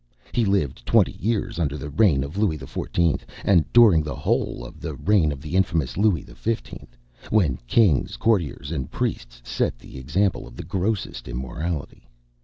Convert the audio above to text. He lived twenty, years under the reign of Louis XIV., and during the whole of the reign of the infamous Louis XV., when kings, courtiers, and priests set the example of the grossest immorality.